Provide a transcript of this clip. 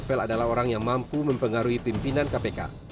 novel adalah orang yang mampu mempengaruhi pimpinan kpk